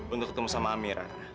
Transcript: untuk ketemu sama amira